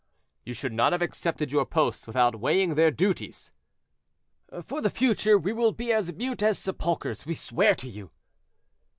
"You should not have accepted your posts without weighing their duties." "For the future we will be as mute as sepulchers, we swear to you."